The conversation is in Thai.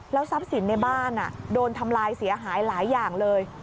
ทรัพย์สินในบ้านโดนทำลายเสียหายหลายอย่างเลย